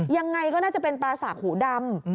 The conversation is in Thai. ยังไงก็น่าจะเป็นปลาสากหูดำ